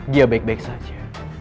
dia baik baik saja